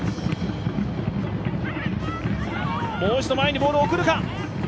もう一度前にボールを送るか。